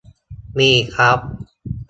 มีครับ